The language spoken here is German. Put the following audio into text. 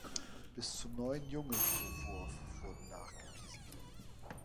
Bis zu neun Junge pro Wurf wurden nachgewiesen.